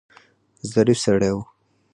ظریف سړی و.